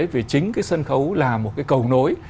vì chính cái sân khấu là một cái cầu nối